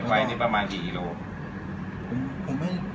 ไวนี่ประมาณกี่โอโลกรัม